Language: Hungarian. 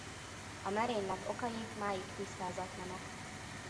A merénylet okai máig tisztázatlanok.